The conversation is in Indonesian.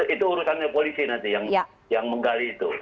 itu urusannya polisi nanti yang menggali itu